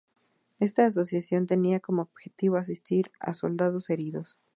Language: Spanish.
Esta asociación tenía como objetivo asistir a soldados heridos.